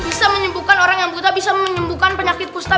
bisa menyembuhkan orang yang buta bisa menyembuhkan penyakit kusta